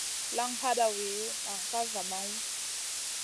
Laŋ hadawi, nan ka zamaŋu.